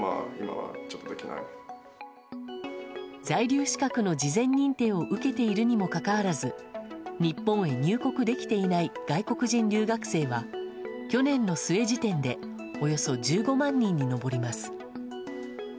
在留資格の事前認定を受けているにもかかわらず日本へ入国できていない外国人留学生は去年の末時点でおよそ１５万人に上ります。